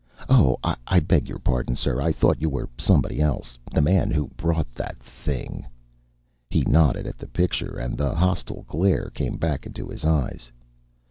"Oh, I beg your pardon, sir. I thought you were somebody else the man who brought that thing." He nodded at the picture, and the hostile glare came back into his eyes.